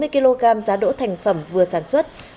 hai mươi kg giá đỗ thành phẩm vừa sản xuất